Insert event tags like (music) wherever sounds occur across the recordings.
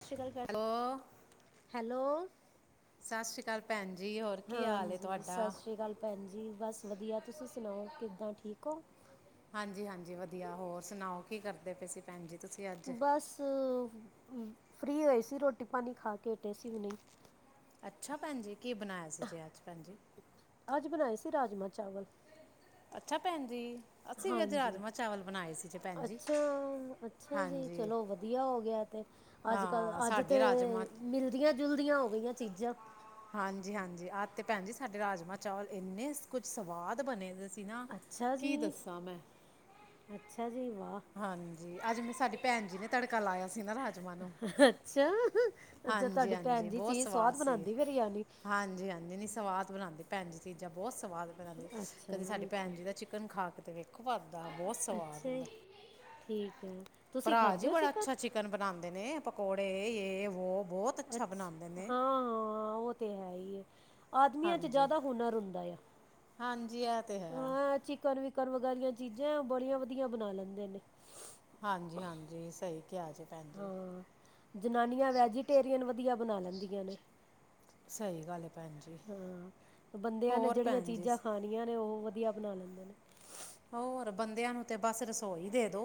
ਸਤਿ ਸ਼੍ਰੀ ਅਕਾਲ ਭੈਣ ਹੈਲੋ ਹੈਲੋ ਸਤਿ ਸ਼੍ਰੀ ਅਕਾਲ ਭੈਣ ਜੀ ਹੋਰ ਕੀ ਹਾਲ ਹਾਂਜੀ ਤੁਹਾਡਾ ਸਤਿ ਸ਼੍ਰੀ ਅਕਾਲ ਭੈਣ ਜੀ ਬਸ ਵਧੀਆ ਤੁਸੀਂ ਸੁਣਾਓ ਕਿੱਦਾਂ ਠੀਕ ਹੋ ਹਾਂਜੀ ਹਾਂਜੀ ਵਧੀਆ ਹੋਰ ਸੁਣਾਓ ਕੀ ਕਰਦੇ ਪਏ ਸੀ ਭੈਣ ਜ ਬਸ ਫਰੀ ਹੋਏ ਸੀ ਰੋਟੀ ਪਾਣੀ ਖਾ ਕੇ ਹਟੇ ਸੀ ਅੱਛਾ ਭੈਣ ਨੇ ਕੀ ਬਣਾਇਆ ਸੀ ਅੱਜ ਬਣਾਏ ਸੀ ਰਾਜਮਾ ਚਾਵਲ ਅੱਛਾ ਭੈਣ ਜੀ ਅਸੀਂ ਵੀ ਅੱਜ ਹਾਂਜੀ ਰਾਜਮਾਂ ਚਾਵਲ ਬਣਾਏ ਸੀ ਜੇ ਭੈਣ ਜੀ ਅੱਛਾ ਅੱਛਾ ਜੀ ਹਾਂਜੀ ਚਲੋ ਵਧੀਆ ਹੋ ਗਿਆ ਅੱਜ ਕੱਲ ਹਾਂ ਅੱਜ ਤੇ ਸਾਡੇ ਰਾਜਮਾਂ ਮਿਲਦੀਆਂ ਜੁਲਦੀਆਂ ਹੋ ਗਈਆਂ ਚੀਜ਼ਾਂ ਹਾਂਜੀ ਹਾਂਜੀ ਆਹ ਤੇ ਭੈਣ ਜੀ ਸਾਡੇ ਰਾਜਮਾਂ ਚਾਲ ਇੰਨੇ ਕੁੱਝ ਸਵਾਦ ਬਣੇ ਨਾ ਅੱਛਾ ਕੀ ਜੀ ਦੱਸਾਂ ਮੈਂ ਅੱਛਾ ਜੀ ਵਾਹ ਹਾਂਜੀ ਅੱਜ ਮੈਂ ਸਾਡੀ ਭੈਣ ਜੀ ਨੇ ਤੜਕਾ ਲਾਇਆ ਸੀ ਨਾ ਰਾਜਮਾਂ ਨੂੰ ਅੱਛਾ ਅੱਛਾ ਹਾਂਜੀ ਤੁਹਾਡੀ ਭੈਣ ਹਾਂਜੀ ਜੀ ਬਹੁਤ ਚੀਜ਼ ਸਵਾਦ ਸੀ ਬਣਾਉਂਦੀ ਫਿਰ ਯਾਨੀ ਹਾਂਜੀ ਹਾਂਜੀ ਨੀ ਸਵਾਦ ਬਣਾਉਂਦੇ ਭੈਣਜੀ ਜਾ ਬੋਸ ਸਵਾਦ ਬਣਉਂਦੀ ਅੱਛਾ ਕਦੇ ਸਾਡੀ ਭੈਣ ਅੱਛਾ ਜੀ ਦਾ ਚਿਕਨ ਖਾ ਕਿਤੇ ਵੇਖੋ ਭਰਦਾ ਬਹੁਤ ਸਵਾਦ ਅੱਛਾ ਜੀ ਹੁੰਦਾ ਠੀਕ ਹੈ ਤੁਸੀਂ ਭਰਾ ਖਾਂਦੇ ਜੀ ਹੋ ਬੜਾ ਅੱਛਾ ਚਿਕਨ ਬਣਾਉਂਦੇ ਨੇ ਕੋੜੇ ਏ ਵੋ ਬਹੁਤ ਹਾਂ ਅੱਛਾ ਬਣਾਉਂਦੇ ਨੇ ਹਾਂ ਉਹ ਤੇ ਹੈ ਹੀ (inaudible) ਆਦਮੀਆਂ ਚ ਹਾਂਜੀ ਜ਼ਿਆਦਾ ਹੁਨਰ ਹੁੰਦਾ ਐ, ਹਾਂਜੀ ਇਹ ਤੇ ਹੈ ਅਹ ਚਿਕਨ ਵਿੱਚ ਘਰ ਵਗਾ ਦੀਆਂ ਚੀਜ਼ਾਂ ਉਹ ਬੜੀਆਂ ਵਧੀਆ ਬਣਾ ਲੈਂਦੇ ਨੇ। ਹਾਂਜੀ ਹਾਂਜੀ ਸਹੀ ਕਿਹਾ ਜੇ ਭੈਣ ਜੀ। ਹਾਂ ਜਨਾਨੀਆਂ ਵੈਜੀਟੇਰੀਅਨ ਵਧੀਆ ਬਣਾ ਲੈਂਦੀਆਂ ਨੇ। ਸਹੀ ਗੱਲ ਹੈ ਭੈਣ ਜੀ ਹਾਂ ਬੰਦਿਆਂ ਨੇ ਹੋਰ ਜਿਹੜੀਆਂ ਭੈਣ ਜੀ ਚੀਜ਼ਾਂ ਖਾਣੀਆਂ ਨੇ ਉਹ ਵਧੀਆ ਵਧੀਆ ਬਣਾ ਲੈਂਦੇ ਨੇ। ਹੋਰ ਬੰਦਿਆਂ ਨੂੰ ਤੇ ਬਸ ਰਸੋਈ ਦੇ ਦੋ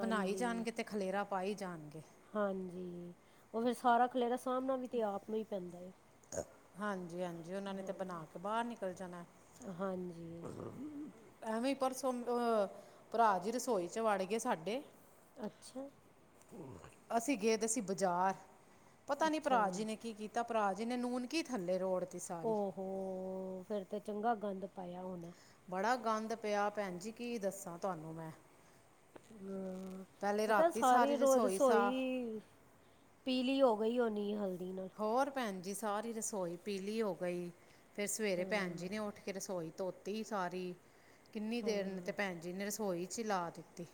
ਬਣਾਈ ਜਾਣ ਕਿਤੇ ਖਲੇਰਾ ਪਾਈ ਜਾਣਗੇ। ਹਾਂਜੀ ਉਹ ਫੇਰ ਸਾਰਾ ਖਲੇਰਾ ਸਾਹਮਣਾ ਵੀ ਤੇ ਆਪ ਨੂੰ ਹੀ ਪੈਂਦਾ ਏ। ਹਾਂਜ ਹਾਂਜੀ- ਹਾਂਜੀ ਉਹਨਾਂ ਨੇ ਤੇ ਬਣਾ ਕੇ ਬਾਹਰ ਨਿਕਲ ਜਾਣਾ। ਹਾਂਜੀ ਐਵੇਂ ਪਰਸੋ ਅਹ ਭਰਾ ਜੀ ਰਸੋਈ ਚ ਵੜ ਗਏ ਸਾਡੇ ਅੱਛਿਆ। ਅਸੀਂ ਗਏ ਤੇ ਸੀ ਬਜ਼ਾਰ ਪਤਾ ਨੀ ਭਰਾ ਜੀ ਨੇ ਕੀ ਕੀਤਾ ਭਰਾ ਜ ਜਿਨੇ ਨੂਨ ਕੀ ਥੱਲੇ ਰੋੜ ਓਹੋੋ ਫੇਰ ਤੇ ਚੰਗਾ ਗੰਦ ਪਾਇਆ ਹੋਣਾ। ਬੜਾ ਗੰਦ ਪਿਆ ਭੈਣ ਜੀ ਕੀ ਦੱਸਾਂ ਤੁਹਾਨੂੰ ਮੈਂ। ਪਹਿਲੇ ਪਤਾ ਏ ਰਾਤੀ ਸਾਰੀ ਰੋ ਰਸੋਈ ਸਾਫ਼ ਰਸੋਈ ਪੀਲੀ ਹੋ ਹੋਈ ਹੋਣੀ ਏ ਹਲ ਹੋਰ ਭੈਣ ਜੀ ਸਾਰੀ ਰਸੋਈ ਪੀਲੀ ਹੋ ਗਈ। ਫੇਰ ਸਵੇਰੇ ਭੈਣ ਜੀ ਹਾਂ ਨੇ ਉੱਠ ਕੇ ਰਸੋਈ ਧੋਤੀ ਸਾਰੀ ਕਿੰਨੀ ਦੇਰ ਨੇ ਤੇ ਹਾਂ ਭੈਣ ਜੀ ਨੇ ਰਸੋਈ ਚਲਾ ਦਿੱਤੀ।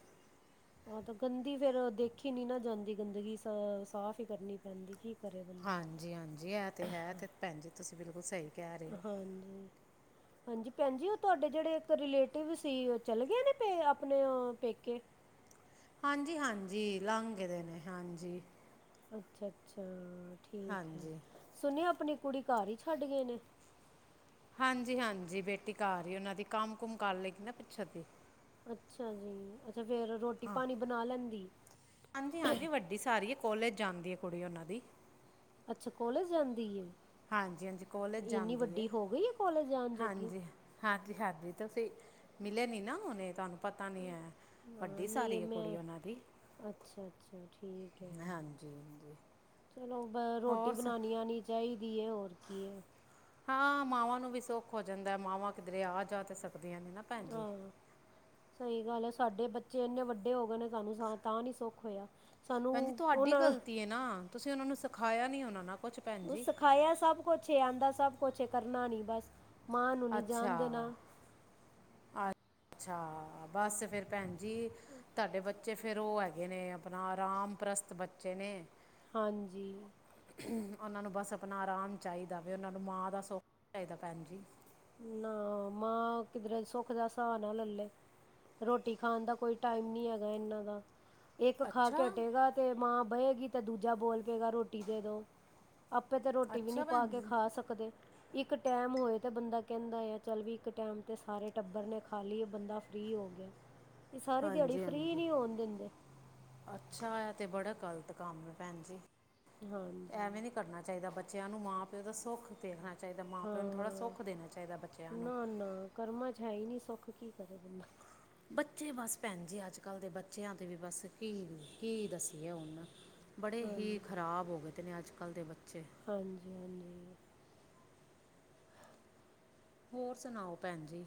ਹਾਂ ਤੇ ਗੰਦੀ ਫੇਰ ਦੇਖੀ ਨੀ ਨਾ ਜਾਂਦੀ, ਗੰਦਗੀ ਅ ਸਾਫ਼ ਹੀ ਕਰਨੀ ਪੈਂਦੀ। ਕੀ ਕਰੇ ਬੰਦਾ ਹਾਂਜੀ- ਹਾਂਜੀ ਐ ਤੇ ਹੈ ਤੇ ਭੈਣ ਜੀ ਤੁਸੀਂ ਬਿਲਕੁਲ ਸਈ। ਹਾਂਜੀ, ਹਾਂਜੀ ਭੈਣ ਜੀ ਓ ਤੁਆਡੇ ਜਿਹੜੇ ਇੱਕ ਰਲੇਟਿਵ ਸੀ, ਓ ਚਲਗੇ ਨੇ ਪੇ ਆਪਣੇ ਪੇਕੇ। ਹਾਂਜੀ- ਹਾਂਜੀ ਲੰਘ ਗੇ ਦੇ ਨੇ, ਹਾਂਜੀ। ਅੱਛਾ, ਅੱਛਾ। ਠੀਕ ਏ। ਹਾਂਜੀ ਸੁਣਿਆ ਆਪਣੀ- ਕੁੜੀ ਘਰ ਈ ਛੱਡ ਗਏ ਨੇ। ਹਾਂਜੀ -ਹਾਂਜੀ ਬੇਟੀ ਕਰ ਈ ਉਨਾਂ ਦੀ ਕੰਮ ਕੁਮ ਕਰ ਲੇਗੀ ਨਾ ਪਿੱਛੇ ਦੀ। ਅੱਛਾ ਜੀ ਤੇ ਫੇਰ ਰੋਟੀ ਪਾਣੀ ਬਣਾ ਲੈਂਦੀ। ਹਾਂਜੀ ਹਾਂਜੀ ਵੱਡੀ ਸਾਰੀ ਹੈ ਕੋਲਜ ਜਾਂਦੀ ਏ ਕੁੜੀ ਉਨਾਂ ਦੀ। ਅੱਛਾ ਕੋਲਜ ਜਾਂਦੀ ਏ। ਹਾਂਜੀ- ਹਾਂਜੀ ਕੋਲੇਜ ਇੰਨੀ ਜਾਂਦੀ ਏ। ਵੱਡੀ ਹੋ ਗਈ ਹੈ ਕੋਲਜ ਜਾਣ ਜੋਗੀ ਹਾਂਜੀ -ਹਾਂਜੀ -ਹਾਂਜੀ। ਤੁਸੀਂ ਮਿਲੇ ਨੀ ਨਾ ਹੋਨੇ ਤਾਨੂੰ। ਹ ਨਈ ਮੈਂ ਕੁੜੀ ਉਹਨਾਂ ਦੀ ਅੱਛਾ -ਅੱਛਾ ਠੀਕ ਐ। ਹਾਂਜੀ ਹਾਂਜੀ ਚਲੋ ਬ ਰੋਟੀ ਹੋਰ ਸ ਬਣਾਣੀ ਆਣੀ ਚਾਈ- ਦੀ ਐ ਔਰ ਕੀ ਐ। ਹਾਂ ਮਾਵਾਂ ਨੂੰ ਵੀ ਸੁੱਖ ਹੋ ਜਾਂਦਾ ਮਾਵਾਂ ਕਿਧਰੇ ਆ ਜਾ ਤਾਂ ਸਕਦ- ਸਕਦੀਆਂ ਨੇ ਨਾ ਭੈਣੀ ਜੀ। ਗਲ ਏ। ਸਾਡੇ ਬੱਚੇ ਏਨੇ ਵੱਡੇ ਹੋ ਗਏ ਨੇ ਸਾਨੂੰ ਸ ਤਾਂ ਨੀ ਸੁੱਖ ਹੋਇਆ। ਸਾਨੂੰ ਭੈਣ ਜੀ ਤੁਆਡੀ ਉਹਨਾਂ ਗਲਤੀ ਏ ਨਾ ਤੁਸੀਂ ਉਨਾ ਨੂੰ ਸਖਾ- ਖਾਇਆ ਨੀ ਉਨਾਂ ਨਾ। ਉਹ ਸਿਖਾਇਆ ਸਭ ਕੁੱਛ ਆਂਦਾ ਸਭ ਕੁੱਛ ਕਰਨਾ ਨਹੀਂ ਬਸ ਮਾਂ ਨੂੰ ਨਹੀਂ ਅੱਛਾ ਜਾਣਦੇਣਾ ਆ- ਅੱਛਾ ਬੱਸ ਫੇਿਰ ਭੈਣ ਜ ਜੀ ਤੁਹਾਡੇ ਬੱਚੇ ਬੱਚੇ ਫੇਿਰ ਉਹ ਹੈਗੇ ਨੇ ਆਪਣਾ ਆਰਾਮ ਪ੍ਰਸਤ ਬੱਚੇ ਨੇ ਹਾਂਜੀ ਉਹਨਾਂ ਨੂੰ ਬਸ ਆਪਣਾ ਆਰਾਮ ਚਾਹੀਦਾ ਵੀ ਉਹਨਾਂ ਨੂੰ ਮਾਂ ਦਾ ਸੁੱਖ ਚਾਹੀਦਾ ਭੈਣ ਜੀ ਨਾ ਮਾਂ ਕਿਧਰੇ ਸੁੱਖ ਦਾ ਸਾਹ ਨਾ ਲੈ ਲੇ ਰੋਟੀ ਖਾਣ ਦਾ ਕੋਈ ਟਾਈਮ ਨੀ ਹੈਗਾ ਇਹਨਾਂ ਦਾ ਇੱਕ ਖਾ ਕੇ ਅੱਛਾ ਹਟੇਗਾ ਤੇ ਮਾਂ ਬਹੇਗੀ ਤਾਂ ਦੂਜਾ ਬੋਲ ਪਏਗਾ ਰੋਟੀ ਦੇ ਦੋ ਆਪੇ ਤੇ ਰੋਟੀ ਵੀ ਨਹੀਂ ਅੱਛਾ ਪਾ ਭੈਣ ਕੇ ਜੀ ਖਾ ਸਕਦੇ ਇੱਕ ਟੈਮ ਹੋਏ ਤੇ ਬੰਦਾ ਕਹਿੰਦਾ ਆ ਚੱਲ ਵੀ ਇੱਕ ਟਾਈਮ 'ਤੇ ਸਾਰੇ ਟੱਬਰ ਨੇ ਖਾਲੀ ਬੰਦਾ ਫ੍ਰੀ ਹੋ ਗਿਆ ਇਹ ਸਾਰੀ ਦਿਹਾੜੀ ਹਾਂਜੀ ਫ੍ਰੀ ਹਾਂਜੀ ਨਹੀਂ ਹੋਣ ਦਿੰਦੇ ਅੱਛਾ ਆ ਤੇ ਬੜਾ ਗਲਤ ਕੰਮ ਹੈ ਭੈਣ ਜੀ ਹਾਂਜੀ ਐਵੇਂ ਨਹੀਂ ਕਰਨਾ ਚਾਹੀਦਾ ਬੱਚਾ ਬੱਚਿਆਂ ਨੂੰ ਮਾਂ ਪਿਓ ਦਾ ਸੁੱਖ ਦੇਖਣਾਦਾ ਚਾਹੀਦਾ ਮਾਂ ਪਿਓ ਨੂੰ ਥੋੜਾ ਹਾਂ ਸੁੱਖ ਦੇਣਾ ਚਾਹੀਦਾ ਬੱਚਿਆਂ ਨੂੰ ਖ ਕੀ ਕਰ ਦਨ ਬੱਚੇ ਬਸ ਭੈਣ ਜੀ ਅੱਜ-ਕੱਲ੍ਹ ਦੇ ਬੱਚਿਆਂ ਤੇ ਵੀ ਬਸ ਕੀ ਕੀ ਦੱਸੀਏ ਹੂਣ ਬੜੇ ਹੀ ਹਾਂਜੀ ਖ਼ਰਾਬ ਹੋ ਗਏ ਤੇ ਨੇਂ ਅੱਜ ਕ ਅ ਕੱਲ੍ਹ ਦੇ ਬ ਹਾਂਜੀ ਹਾਂਜੀ। ਹੋਰ ਸੁਣਾਓ ਭੈਣ ਜੀ।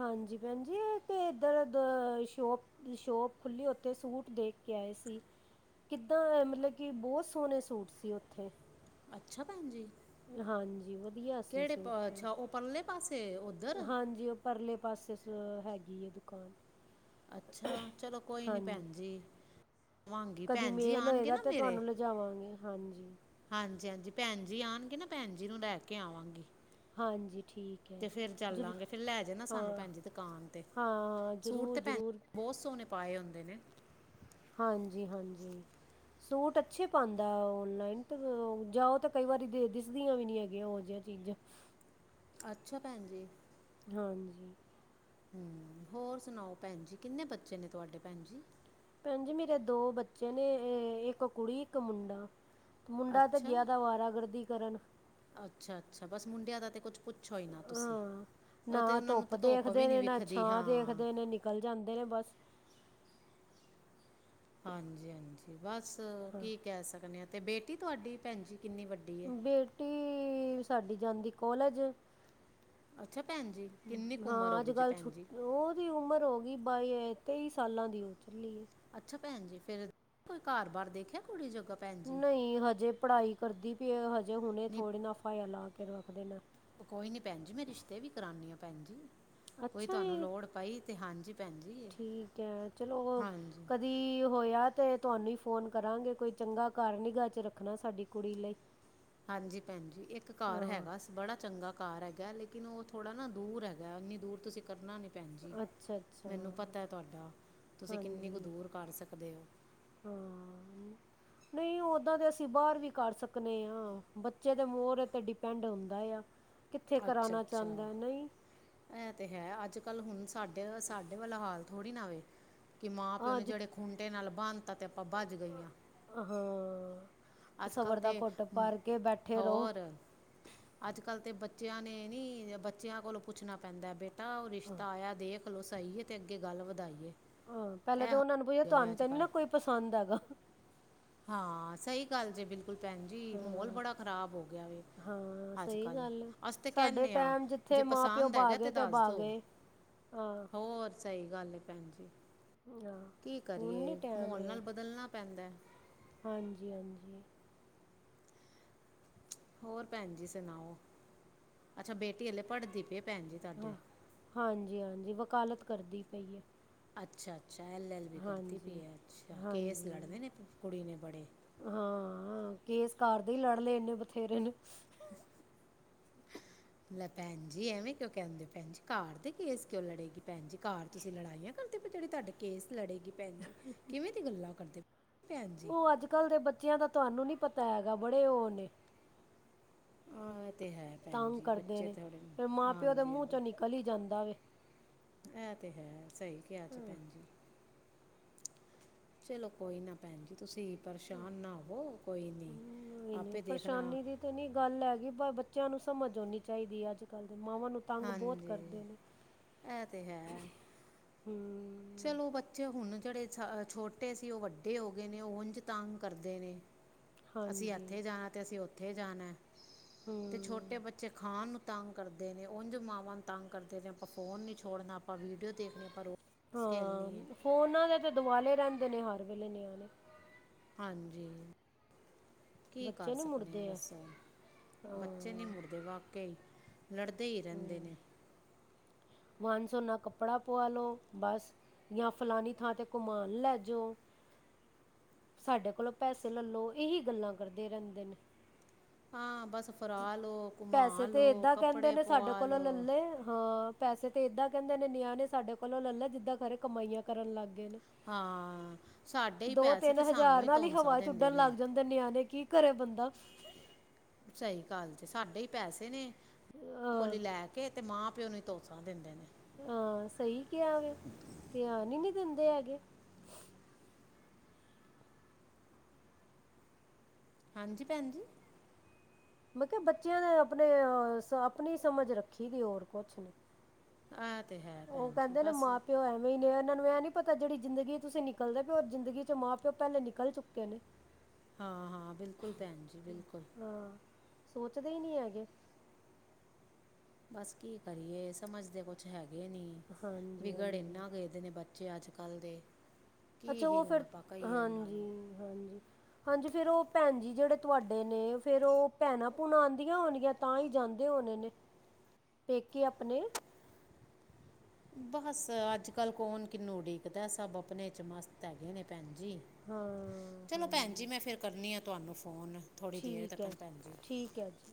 ਹਾਂਜੀ ਭੈਣ ਜੀ ਇਹ ਤੇ ਇੱਧਰ ਸ਼ੋਪ ਸ਼ੋਪ ਖੁੱਲੀ ਉੱਥੇ ਸੂਟ ਦੇਖ ਕੇ ਆਏ ਸੀ ਕਿੱਦਾਂ ਮਤਲਬ ਕਿ ਬਹੁਤ ਸੋਹਣੇ ਸੂਟ ਸੀ ਓਥੇ ਅੱਛਾ ਭੈਣ ਜੀ। ਹਾਂਜੀ ਵਧੀਆ ਸੀ ਕਿਹੜੇ ਸੂਟ ਪ- ਅੱਛਾ ਉਹ ਪਰਲੇ ਪਾਸੇ ਤਾਂ ਉਧਰ ਹਾਂਜੀ ਉਹ ਪਰਲੇ ਪਾਸੇ ਹੈਗੀ ਐ ਦੁਕਾਨ ਅੱਛਾ ਚਲੋ ਕੋਈ ਨੀ ਹਾਂਜੀ ਭੈਣ ਜੀ। ਆਵਾਂਗੀ ਕਦੀ ਭੈਣ ਜੀ ਮੇਲ ਆਣਗੇ ਹੋਏਗਾ ਨਾ ਤੇ ਮੇਰੇ ਤੁਹਾਨੂੰ ਲਿਜਾਵਾਂਗੇ ਹਾਂਜੀ। ਹਾਂਜੀ ਹਾਂਜੀ ਭੈਣ ਜੀ ਆਣਗੇ ਨਾ ਭੈਣ ਜੀ ਨੂੰ ਲੈ ਕੇ ਆਵਾਂਗੀ। ਹਾਂਜੀ। ਠੀਕ ਹੈ ਤੇ ਫੇਰ ਜ਼ਰੂਰ ਚੱਲਾਂਗੇ ਫਿਰ ਲੈ ਜਨਾ ਹਾਂ ਸਾਨੂੰ ਹਾਂ ਭੈਣ ਜੀ ਦੁਕਾਨ ਤੇ ਹਾਂ ਸੂਟ ਜ਼ਰੂਰ ਤੇ ਭੈਣ ਜ਼ਰੂਰ ਬਹੁਤ ਸੋਹਣੇ ਪਾਏ ਹੁੰਦੇ ਨੇਂ। ਹਾਂਜੀ ਹਾਂਜੀ, ਸੂਟ ਅੱਛੇ ਪਾਉਂਦਾ ਓਨਲਾਈਨ ਤੇ ਜਾਓ ਤਾਂ ਕਈ ਵਾਰੀ ਦਿਸਦੀਆਂ ਵੀ ਨੀਂ ਹੈਗੀਆਂ ਉਹ ਜਿਹੀਆਂ ਚੀਜ਼ਾਂ। ਅੱਛਾ ਭੈਣ ਜੀ। ਹਾਂਜੀ ਹਂ, ਹੋਰ ਸੁਨਾਓ ਭੈਨ ਜੀ, ਕਿੰਨੇ ਬੱਚੇ ਨੇ ਤੁਹਾਡੇ ਭੈਨ ਜੀ? ਭੈਨ ਜੀ ਮੇਰੇ ਦੋ ਬੱਚੇ ਨੇ, ਅ ਅ ਇੱਕ ਕੁੜੀ ਇੱਕ ਮੁੰਡਾ। ਤੇ ਮੁੰਡਾ ਤੇ ਅੱਛਾ ਗਿਆ ਦਾ ਅਵਾਰਾਗਰਦੀ ਕਰਨ। ਅੱਛਾ, ਅੱਛਾ ਬਸ ਮੁੰਡਿਆਂ ਦਾ ਤੇ ਕੁੱਛ ਅ ਆਂ ਨਾ ਉਹਨਾਂ ਨੂੰ ਧੁੱਪ ਤੇ ਦੇਖਦੇ ਵੀ ਨਹੀਂ ਨੇ, ਨਾਂ ਵਿਖਦੀ ਛਾਂ ਹਾਂ ਦੇਖਦੇ ਨੇਂ, ਨਿਕਲ ਜਾਂਦੇ ਨੇਂ ਬਸ। ਹਾਂਜੀ, ਹਾਂਜੀ ਬਸ ਕੀ ਕਹਿ ਸਕਨੇ ਆਂ। ਤੇ ਬੇਟੀ ਤੁਹਾਡੀ ਭੈਨ ਜੀ। ਕਿੰਨੀ ਵੱਡੀ ਹੈ ਬੇਟੀ ਸਾਡੀ ਜਾਂਦੀ ਕੋਲੇਜ ਹਂ ਅੱਛਾ ਭੈਣ ਜੀ ਕਿੰਨੀ ਕੁ ਉਮਰ ਹਾਂ ਹੋ ਅੱਜ ਗਈ ਜੀ ਕੱਲ ਭੈਣ ਜੀ ਛੁੱਟ ਉਹਦੀ ਉਮਰ ਹੋ ਗਈ ਬਾਈ ਯਾ ਤੇਈ ਸਾਲਾਂ ਦੀ ਹੋ ਚੱਲੀ ਐ। ਅੱਛਾ ਭੈਨ ਜੀ ਫੇਰ ਕੋਈ ਘਰ ਬਾਰ ਦੇਖਿਆ ਕੁੜੀ ਜੋਗ ਨਈਂ ਹਜੇ ਪੜ੍ਹਾਈ ਕਰਦੀ (unintelligible) ਜੇ ਹੁਨੇ ਥੋੜੀ ਨਾਂ ਫਾਈ ਲਾਂ ਤੇ ਰੋਕ ਦਿੰਨਾ। ਓ ਕੋਈ ਨੀ ਭੈਨ ਜੀ, ਮੈਂ ਰਿਸ਼ਤੇ ਵੀ ਕਰਾਂਨੀਂ ਆਂ। ਭੈਣ ਜੀ ਕੋਈ ਅੱਛਾ ਤੁਹਾਨੂੰ ਜੀ ਲੋੜ ਪਈ ਤੇ ਹਾਂਜੀ ਭੈਣ ਜੀ ਠੀਕ ਹੈ, ਚਲੋ ਹਾਂਜੀ ਕਦੀ ਹੋਇਆ ਤੇ ਤੁਹਾਨੂੰ ਹੀ ਫੋਨ ਕਰਾਂਗੇ, ਕੋਈ ਚੰਗਾ ਘਰ ਨਿਗਾਹ ਚ ਰੱਖਨਾ ਸਾਡੀ ਕੁੜੀ ਲਈ। ਹਾਂਜੀ ਭੈਣ ਜੀ ਇੱਕ ਘਰ ਹਾਂ ਹੈਗਾ ਸੀ, ਬੜਾ ਚੰਗਾ ਘਰ ਹੈਗਾ ਲੇ ਉਹ ਥੋੜਾ ਨਾ ਦੂਰ ਹੈਗਾ, ਇਹਨੀ ਦੂਰ ਤੁਸੀ ਕਰਨਾ ਨੀ। ਭੈਣ ਜੀ ਅੱਛਾ ਅੱਛਾ ਮੈਨੂੰ ਪਤਾ ਏ ਅ, ਤੁਸੀ ਕਿੰਨੀ ਕੁ ਹਾਂਜੀ ਦੂਰ ਕਰ ਸਕਦੇ ਹੋ। ਹਾਂ ਨਹੀਂ ਓਹਦਾਂ ਤੇ ਅਸੀ ਬਾਹਰ ਵੀ ਕਰ ਸਕਨੇਂ ਆਂ, ਬੱਚੇ ਦੇ ਮੋਹਰੇ ਤੇ ਡਿਪੈਂਡ ਹੁੰਦਾ ਆ। ਕਿੱਥੇ ਕਰਾਉਣਾ ਅੱਛਾ-ਅੱਛਾ ਚਾਹੁੰਦਾ ਨਹੀਂ ਇਹ ਤੇ ਹੈ, ਅੱਜ ਕੱਲ ਹੁਨ ਸ ਤੁਹਾਡੇ ਵੀ ਸਾਡੇ ਵਾਲਾ ਹਾਲ। ਥੋੜ੍ਹੀ ਨਾ ਵੇ ਕਿ ਮਾਂ ਪਿਓ ਹਾਂ ਨੇ ਜ ਜਿਹੜੇ ਖੁੰਟੇ ਨਾਲ ਬੰਦ (inaudible) ਪੱਬਾਂ ਚ ਗਈਆਂ। ਹਾਂ ਅੱਜ ਕੱਲ ਸਬਰ ਦਾ ਤੇ ਘੁੱਟ ਉਮ, ਭਰ ਕੇ ਬੈਠੇ ਰਹੋ। ਹੋਰ ਅੱਜ ਕੱਲ ਤੇ ਬ ਬੱਚਿਆਂ ਨੇ ਨੀ ਬੱਚਿਆਂ ਕੋਲੋਂ ਪੁੱਛਣਾ ਪੈਂਦਾ ਬੇਟਾ ਤਾਂ ਉ ਰਿਸ਼ਤਾ ਆਇਆ ਦੇਖ ਚਲੋ ਸਹੀ ਅਤੇ ਅੱਗੇ ਗੱਲ ਵਧਾਈਏ ਹਾਂ ਪਹਿਲਾਂ ਇਹ ਤਾਂ ਹੋ ਉਹਨਾ ਨੂੰ ਕਹੀਏ ਗਿਆ ਵੇ ਤੁਹਾਨੂੰ ਅੱਜ ਤੇ ਨੀ ਕੱਲ ਨਾ ਕੋਈ ਪਸੰਦ ਹੈਗਾ ਹਾਂ ਸਹੀ ਗੱਲ ਜੇ ਬਿਲਕੁਲ ਬਿਲਕੁਲ ਭੈਣ ਜੀ ਮਾਹਲ ਹਾਂ। ਬੜਾ ਖ਼ਰਾਬ ਹੋ ਗਿਆ ਵ ਹਾਂ ਅੱਜ ਸਹੀ ਕੱਲ ਗੱਲ ਹੈ। ਅਸੀ ਤੇ ਸਾਡੇ ਕਹਿੰਦੇ ਆ ਟਾਈਮ ਜਿੱਥੇ ਜੇ ਮਾਂ ਪਿਓ ਪਸੰਦ ਬਾਹ ਹੈਗਾ ਗਏ ਤੇ ਦੱਸ ਬਾਹ ਦੋ ਗਏ ਹਾਂ। ਹੋਰ ਸਹੀ ਗੱਲ ਭੈਣ ਜੀ ਹਾਂ ਕੀ ਹੁਣ ਨਹੀਂ ਕਰੀਏ ਟਾਈਮ ਮਾਹੋਲ ਰਿਹਾ ਨਾਲ ਬਦਲਣਾ ਪੈਂਦਾ ਹੈ। ਹਾਂਜੀ ਹਾਂਜੀ ਹੋਰ ਭੈਣ ਜੀ ਸੁਣਾਓ ਅੱਛਾ ਬੇਟੀ ਹਲੇ ਪੜਦੀ ਪਏ ਹਾਂਜੀ ਹਾਂਜੀ ਵ ਵਕਾਲਤ ਕਰਦੀ ਪਈ ਹੈ ਅੱਛਾ ਅੱਛਾ ਐਲਐਲਬੀ ਕਰਦੀ ਹਾਂਜੀ। ਪਈ ਅੱਛਾ ਕੇਸ ਹਾਂਜੀ ਲੜਦੇ ਨੇ ਕੁੜੀ ਨੇ ਬੜੇ ਹਾਂ ਕੇਸ ਘਰ ਦੇ ਹੋ ਹੀ ਗਈਹੀ ਲੜ ਲਏ ਇਨੇ ਬਥੇਰੇ ਨੂੰ ਲੈ ਭੈਣ ਜੀ ਐਵੇਂ ਕਿਉਂ ਕਹਿੰਦੇ ਭੈਣ ਜੀ ਕਾਰ ਦੇ ਕੇਸ ਕਿਉਂ ਲੜੇਗੀ ਭੈਣ ਜੀ ਕਾਰ ਤੁਸੀਂ ਲੜਾਈਆਂ ਕਰਦੇ ਜਿਹੜੇ ਤੁਹਾਡੇ ਕੇਸ ਲੜੇਗੀ ਭੈਣ ਜੀ ਕਿਵੇਂ ਦੀ ਗੱਲਾਂ ਕਰਦੇ ਪਏ ਭੈਣ ਜੀ ਉਹ ਅੱਜ ਕੱਲ ਦੇ ਬੱਚਿਆਂ ਦਾ ਤੁਹਾਨੂੰ ਨੀ ਪਤਾ ਹੈਗਾ ਬੜੇ ਉਹ ਨੇ ਆਹ ਇਹ ਤੇ ਹੈ ਭੈਣ ਤੰਗ ਜੀ ਕਰਦੇ ਬੱਚੇ ਨੇ ਥੋੜੇ ਫਿਰ ਮਾਂ ਪਿਓ ਦੇ ਹਾਂਜੀ ਮੂੰਹ ਹਾਂਜੀ 'ਚੋਂ ਨਿਕਲ ਹੀ ਜਾਂਦਾ ਵੇ ਇਹ ਤੇ ਹੈ ਸਹੀ ਕਿਹਾ ਚ ਭੈਣ ਜੀ ਚਲੋ ਕੋਈ ਨਾ ਭੈਣ ਜੀ ਤੁਸੀਂ ਪਰੇਸ਼ਾਨ ਨਾ ਹੋਵੋ ਕੋਈ ਨਹੀਂ ਮੈਨੂੰ ਆਪੇ ਦੇਖਣਾ ਪਰੇਸ਼ਾਨੀ ਦੀ ਤਾਂ ਨੀ ਗੱਲ ਹੈਗੀ ਬੱਚਿਆਂ ਨੂੰ ਸਮਝ ਆਉਣੀ ਚਾਹੀਦੀ ਹੈ ਅੱਜ ਕੱਲ ਮਾਵਾਂ ਨੂੰ ਤੰਗ ਬਹੁਤ ਹਾਂਜੀ ਕਰਦੇ ਨੇ ਇਹ ਤੇ ਹੈ ਹਉ ਚਲੋ ਬੱਚੇ ਹੁਣ ਜਿਹੜੇ ਛੋਟੇ ਸੀ ਉਹ ਵੱਡੇ ਹੋ ਗਏ ਨੇ ਉੰਝ ਤਗ ਕਰਦੇ ਨੇ ਅਸੀਂ ਹਾਂਜੀ ਇੱਥੇ ਜਾਣਾ ਤੇ ਅਸੀਂ ਉਥੇ ਕਿੱਥੇ ਜਾਣਾ (unintelligible) ਤੇ ਹੂੰ ਛੋਟੇ ਬੱਚੇ ਖਾਣ ਤੰਗ ਕਰਦੇ ਨੇ ਉਝ ਮਾਵਾਂ ਨੂੰ ਤੰਗ ਕਰਦੇ ਨੇ ਆਪਾਂ ਫੋਨ ਨ ਨਹੀਂ ਛੋੜਨਾ ਆਪਾਂ ਵੀਡੀਓ ਦੇਖਣੀ ਆਪਾਂ ਰੋ (unintelligible) ਹਾਂ ਫੋਨਾਂ ਦੇ ਤੇ ਦੁਵਲੇ ਰਹਿੰਦੇ (unintelligible) ਨੇ ਹਰ ਵੇਲੇ ਨਿਆਣੇ (unintelligible) ਹਾਂਜੀ ਕੀ ਕਰ ਬੱਚੇ ਨਹੀਂ ਸਕਦੇ ਆ ਮੁੜਦੇ ਹੈ ਦੱਸੋ ਬੱਚੇ ਨੀ ਹਾਂ ਮੁੜਦੇ ਵਾਕੇ ਲੜਦੇ ਹੀ ਰਹਿੰਦੇ ਨੇ ਵਨ ਸਵੱਨਾ ਕੱਪੜਾ ਪੁਆ ਲਉ ਬਸ ਜਾਂ ਫਲਾਨੀ ਥਾਂ 'ਤੇ ਘੂਮਾਨ ਲੈ ਜਾਓ ਸਾਡੇ ਕੋਲੋਂ ਪੈਸੇ ਲੈ ਲਉ ਇਹੀ ਗੱਲਾਂ ਕਰਦੇ ਰਹਿੰਦੇ ਨੇ ਹਾਂ ਬੱਸ ਪੈਸੇ ਤੇ ਏਦਾਂ ਕਹਿੰਦੇ ਕੱਪੜੇ ਨੇ ਸਾਡੇ ਪਵਾ ਕੋਲੋਂ ਲਓ ਲੇ ਹਾਂ ਪੈਸੇ ਤੇ ਏਦਾਂ ਕਹਿੰਦੇ ਨੇ ਨਿਆਂਨੇ ਸਾਡੇ ਕੋਲੋਂ ਲੈ ਲੈ ਜਿੱਦਾਂ ਖਰੇ ਕਮਾਈਆਂ ਕਰਨ ਲੱਗ ਹਾਂ ਸਾਡੇ ਹੀ ਦੋ ਪੈਸੇ ਤਿੰਨ ਤੇ ਸਾਨੂੰ ਹਜ਼ਾਰ ਨਾਲ ਹੀ ਧੌਂਸਾ ਹਵਾ ਦਿੰਦੇ ਉੱਡਣ ਨੇ ਲੱਗ ਜਾਂਦੇ ਨਿਆਣੇ ਕਿ ਕੀ ਕਰੇ ਬੰਦਾ ਸਹੀ ਗੱਲ ਜੇ ਸਾਡੇ ਹੀ ਪੈਸੇ ਨੇ ਹਾਂ ਕੋਲੀ ਲੈ ਕੇ ਤੇ ਮਾਂ ਪਿਊ ਨੂੰ ਧੌਂਸਾ ਦਿੰਦੇ ਨੇ ਹਾਂ ਸਹੀ ਕਿਹਾ ਵੇ ਧਿਆਨ ਨਹੀਂ ਦਿੰਦੇ ਹੈਗੇ ਹਾਂਜੀ ਭੈਣ ਜੀ ਮੈਂ ਕਿਹਾ ਬੱਚਿਆਂ ਦੇ ਆਪਣੇ ਆਪਣੀ ਸਮਝ ਰੱਖੀ ਦੀ ਹੋਰ ਕੁਛ ਨਹੀਂ ਆ (unintelligible) ਉਹ ਕਹਿੰਦੇ ਨੇ ਮਾਂ ਪਿਓ ਐਵੇਂ ਹੀ ਨੇ ਇਹਨਾਂ ਨੂੰ ਮੈਨੂੰ ਇਹਂ ਨੀ ਪਤਾ ਜਿਹੜੀ ਜ਼ਿੰਦਗੀ ਤੁਸੀਂ ਨਿਕਲਦੇ ਪਿਉ ਜ਼ਿੰਦਗੀ ਚ ਮਾਂ ਪਿਓ ਪਹਿਲੇ ਨਿਕਲ ਚੁੱਕੇ ਨੇ ਹਾਂ ਹਾਂ ਬਿਲਕੁਲ ਭੈਣ ਜੀ ਬਿਲਕੁਲ ਹਾਂ ਸੋਚਦੇ ਹੀ ਨਹੀਂ ਹੈਗੇ ਬਸ ਕੀ ਕਰੀਏ ਸਮਝੱਦੇ ਕੁਛ ਹੈਗੇ ਗੇ ਨੀ ਹਾਂਜੀ ਵਿਗੜ ਹਾਂਜੀ ਇੰਨਾ ਗ ਇਹਦੇ ਨੇ ਬੱਚੇ ਜੇ ਅੱਜ ਕੱਲ੍ਹ ਦੇ ਕੀ ਅੱਛਾ ਹੀ ਉਹ ਹੁਣ ਫਿਰ ਆਪਾਂ ਕਹੀਏ ਉਹਨਾਂ ਹਾਂਜੀ ਨੂੰ ਹਾਂਜੀ ਹਾਂਜੀ ਫਿਰ ਉਹ ਭੈਣ ਜੀ ਜਿਹੜੇ ਤੁਹਾਡੇ ਨੇਂ ਫਿਰ ਉਹ ਭੈਣਾਂ ਭੂਣਾਂ ਆਉਂਦੀਆਂ ਹੋਣਗੀਆਂ ਤਾਂ ਹੀ ਜਾਂਦੇ ਹੋਣੇ ਨੇ ਪੇਕੇ ਆਪਣੇ ਬਸ ਅੱਜ-ਕੱਲ ਕੌਣ ਕਿਨੂੰ ਉਡੀਕਦਾ ਸਭ ਆਪਣੇ ਚ ਮਸਤ ਹੈਗੇ ਨੇਂ ਭੈਣ ਜੀ, ਹਾਂ ਚਲੋ ਭੈਣ ਜੀ ਹਾਂਜੀ ਮੈਂ ਫਿਰ ਕਰਨੀ ਆਂ। ਤੁਹਾਨੂੰ ਫ਼ੋਨ ਥੋੜ੍ਹੀ ਦੇਰ ਠੀਕ ਤੱਕ ਐ, ਜੀ ਭੈਣ ਠੀਕ ਐ ਜੀ।